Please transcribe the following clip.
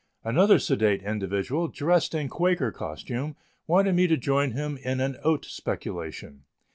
Another sedate individual, dressed in Quaker costume, wanted me to join him in an oat speculation.